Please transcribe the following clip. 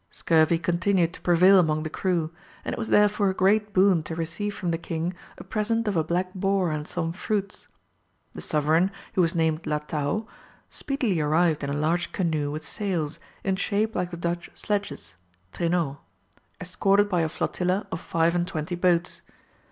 Scurvy continued to prevail among the crew, and it was therefore a great boon to receive from the king a present of a black boar and some fruits. The sovereign, who was named Latou, speedily arrived in a large canoe with sails, in shape like the Dutch sledges (trainaux), escorted by a flotilla of five and twenty boats.